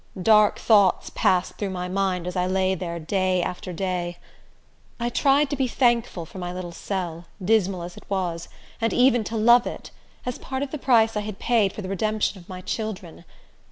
Dark thoughts passed through my mind as I lay there day after day. I tried to be thankful for my little cell, dismal as it was, and even to love it, as part of the price I had paid for the redemption of my children.